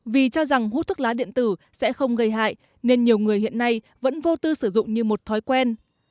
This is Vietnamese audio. vì cho rằng hút thuốc lá điện tử sẽ không gây hại nên nhiều người hiện nay vẫn vô tư sử dụng như một thói quen